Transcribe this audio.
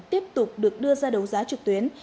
tiếp tục được đưa ra đấu giá trực tuyến